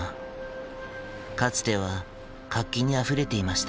かつては活気にあふれていました。